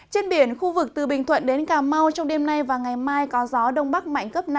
trên biển khu vực từ bình thuận đến cà mau trong đêm nay và ngày mai có gió đông bắc mạnh cấp năm